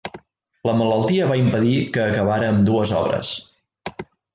La malaltia va impedir que acabara ambdues obres.